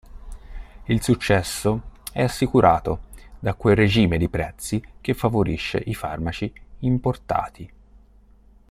Il successo è assicurato da quel regime di prezzi che favorisce i farmaci importati.